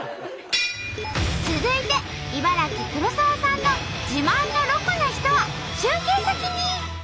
続いて茨城黒沢さんの自慢のロコな人は中継先に！